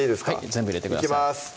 全部入れてくださいいきます